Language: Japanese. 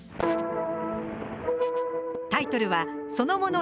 タイトルはそのもの